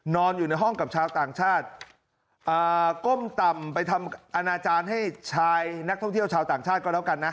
นอนอยู่ในห้องกับชาวต่างชาติก้มต่ำไปทำอนาจารย์ให้ชายนักท่องเที่ยวชาวต่างชาติก็แล้วกันนะ